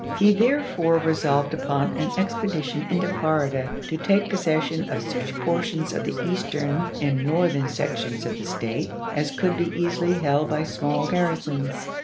He therefore iwd.,p.i34: resolved upon an expedition into Florida to take possession of such portions of the Eastern and Northern sections of the State as could be easily held by small garrisons.